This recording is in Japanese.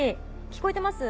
聞こえてます？